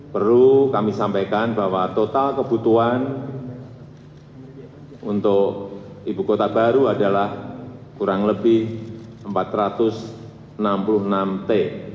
perlu kami sampaikan bahwa total kebutuhan untuk ibu kota baru adalah kurang lebih empat ratus enam puluh enam t